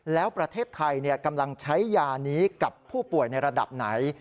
แล้วประเทศไทยกำลังใช้ยานี้กับผู้ป่วยในระดับไหน